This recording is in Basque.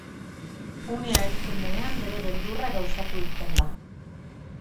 Unea heltzen denean bere beldurra gauzatu egiten da.